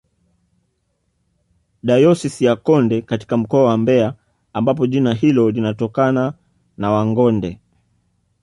dayosisi ya konde katika mkoa wa mbeya ambapo jina hilo linatonana na wangonde